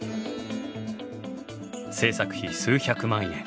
製作費数百万円。